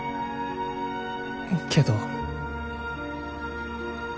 けど。